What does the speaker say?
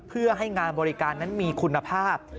เพื่อให้งานบริการนั้นมีคุณภาพ